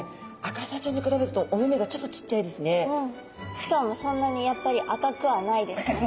しかもそんなにやっぱり赤くはないですね。